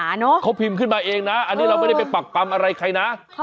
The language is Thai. เขาพิมพ์ขึ้นมาเองนะอันนี้เราไม่ได้ไปปักปำอะไรใครนะ